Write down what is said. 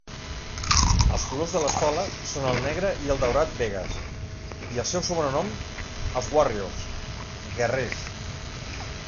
Els colors de l'escola són el negre i el daurat Vegas i el seu sobrenom, els "Warriors" (guerrers).